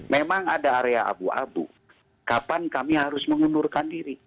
memang ada area abu abu kapan kami harus mengundurkan diri